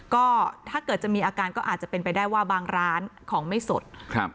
ก็ถ้าเกิดจะมีอาการก็อาจจะเป็นไปได้ว่าบางร้านของไม่สดครับ